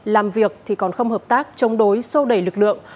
làm việc thì còn không hợp tác chống đối sô đẩy lực lượng